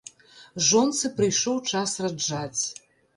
Жонцы прыйшоў час раджаць.